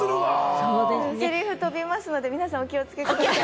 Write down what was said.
セリフ飛びますので、皆さんお気をつけください。